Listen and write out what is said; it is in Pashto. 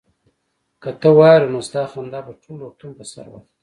که ته واورې نو ستا خندا به ټول روغتون په سر واخلي